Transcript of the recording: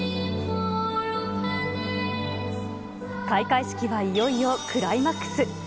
開会式はいよいよクライマックス。